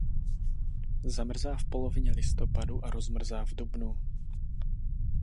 Zamrzá v polovině listopadu a rozmrzá v dubnu.